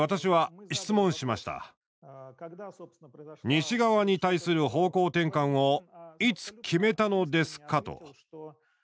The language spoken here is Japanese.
「西側に対する方向転換をいつ決めたのですか？」と。